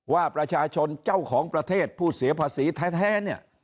ว่าประชาชนเจ้าของประเทศผู้เสียภาษีแท้เนี่ย